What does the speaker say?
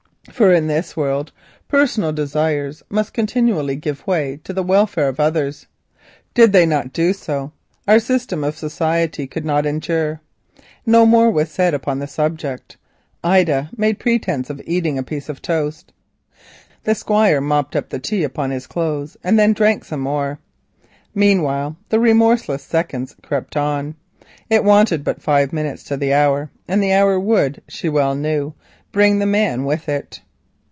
For in this world personal desires must continually give way to the welfare of others. Did they not do so our system of society could not endure. No more was said upon the subject. Ida made pretence of eating a piece of toast; the Squire mopped up the tea upon his clothes, and then drank some more. Meanwhile the remorseless seconds crept on. It wanted but five minutes to the hour, and the hour would, she well knew, bring the man with it.